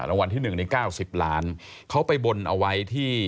รางวัลที่๑ใน๙๐ล้านเขาไปบนเอาไว้ที่